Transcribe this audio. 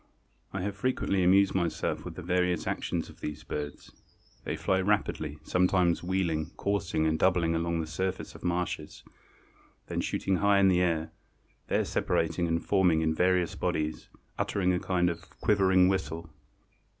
I have frequently amused myself with the various actions of these birds. They fly rapidly, sometimes wheeling, coursing and doubling along the surface of the marshes; then shooting high in the air, there separating and forming in various bodies, uttering a kind of quivering whistle."